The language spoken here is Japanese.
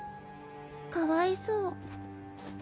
かわいそう。